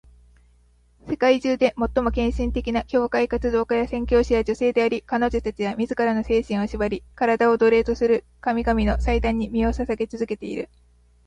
世界中で最も献身的な教会活動家や宣教師は女性であり、彼女たちは自らの精神を縛り、身体を奴隷とする神々の祭壇に身を捧げ続けている。